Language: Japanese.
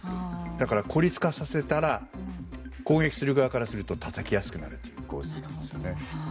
だから、孤立化させたら攻撃する側からするとたたきやすくなるという構図なんですよね。